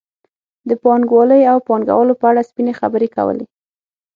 د پانګوالۍ او پانګوالو په اړه سپینې خبرې کولې.